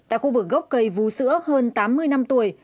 tại khu vực gốc cây vú sữa hơn tám mươi năm tuổi